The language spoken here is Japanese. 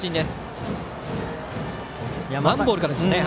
ワンボールからでした。